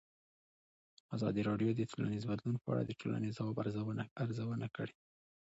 ازادي راډیو د ټولنیز بدلون په اړه د ټولنې د ځواب ارزونه کړې.